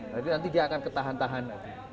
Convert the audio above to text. nanti dia akan ketahan tahan